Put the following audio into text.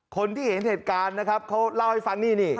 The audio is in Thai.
คนที่เห็นเหตุการณ์เค้าเล่าให้ฟังนะค่ะ